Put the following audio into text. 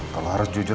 kalau harus jujur